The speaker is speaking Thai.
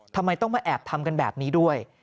ทำไมต้องมาแอบทำกันแบบนี้ด้วย